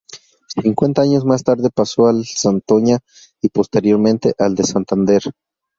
Cincuenta años más tarde pasó al de Santoña y posteriormente al de Santander.